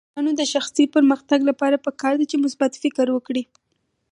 د ځوانانو د شخصي پرمختګ لپاره پکار ده چې مثبت فکر وکړي.